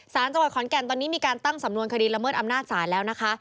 สารจังหวัดขอนแก่นตอนนี้มีการตั้งสำนวนคดีละเมิดอำนาจศาลแล้วนะคะ